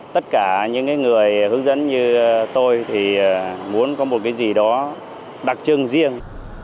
tất cả những người hướng dẫn như tôi thì muốn có một cái gì đó đặc trưng riêng